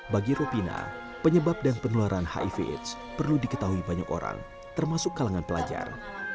bagi rupina penyebab dan penularan hiv aids perlu diketahui banyak orang termasuk kalangan pelajar